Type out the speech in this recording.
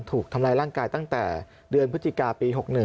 ถูกทำร้ายร่างกายตั้งแต่เดือนพฤศจิกาปี๖๑